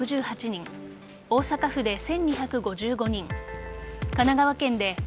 大阪府で１２５５人